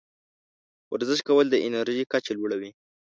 ورزش کول د انرژۍ کچه لوړوي.